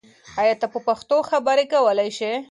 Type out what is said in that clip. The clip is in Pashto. آیا ته په پښتو خبرې کولای شې؟